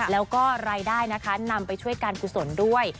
แล้วก็รายได้นะคะนำไปช่วยการกุศลด้วย